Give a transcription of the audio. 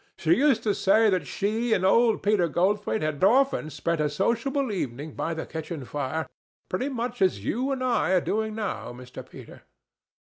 She used to say that she and old Peter Goldthwaite had often spent a sociable evening by the kitchen fire—pretty much as you and I are doing now, Mr. Peter."